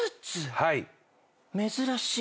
はい。